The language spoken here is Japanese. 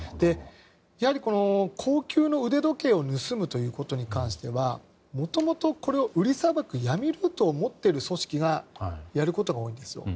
やはり、高級の腕時計を盗むということに関してはもともと、これを売りさばく闇ルートを持っている組織がやることが多いんですよ。